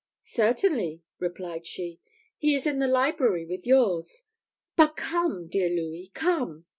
"Certainly," replied she, "he is in the library with yours. But come, dear Louis, come!"